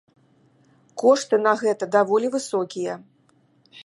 Кошты на гэта даволі высокія.